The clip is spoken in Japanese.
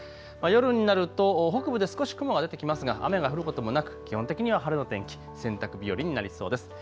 夜になると北部で少し雲が出てきますが雨が降ることもなく基本的には晴れの天気、洗濯日和になりそうです。